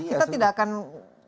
kita tidak akan kesana